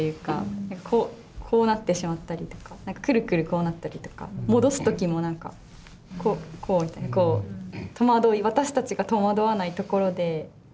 こうこうなってしまったりとかくるくるこうなったりとか戻す時も何かこうこう戸惑い私たちが戸惑わないところで戸惑いがあったり。